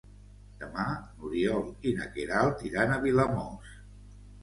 Demà n'Oriol i na Queralt iran a Vilamòs.